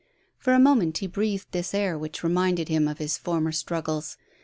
For a moment he breathed this air which reminded him of his former struggles.